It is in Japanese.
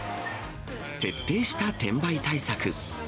徹底した転売対策。